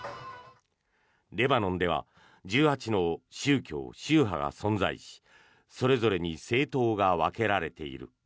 レバノンでは１８の宗教・宗派が存在しそれぞれに政党が分けられている。